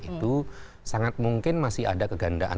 itu sangat mungkin masih ada kegandaan